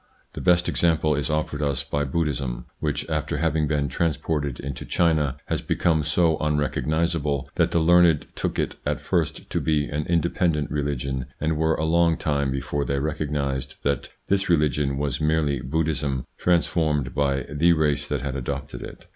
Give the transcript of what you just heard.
The best example is offered us by Buddhism, which, after having been transported into China, has become so unrecognisable that the learned took it at first to be an independent religion and were a long time before they recognised that this religion was merely Buddhism transformed by the race that had adopted it.